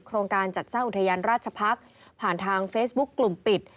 โครงการจัดสร้างอุทยานราชพักษ์ผ่านทางเฟซบุ๊คกลุ่มปิด